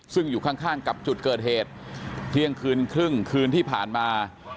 ซึ่งอยู่ข้างกับจุดเกิดเหตุเที่ยงคืนครึ่งคืนที่ผ่านมา